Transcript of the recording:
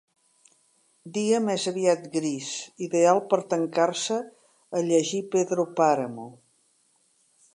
Dia més aviat gris, ideal per tancar-se a llegir Pedro Páramo.